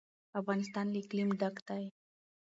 افغانستان له اقلیم ډک دی.